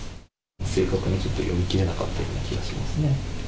正確にちょっと、読みきれなかった気がしますね。